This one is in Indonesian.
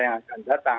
yang akan datang